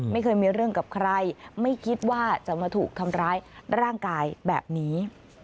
ไม่เคยมีเรื่องกับใครไม่คิดว่าจะมาถูกทำร้ายร่างกายแบบนี้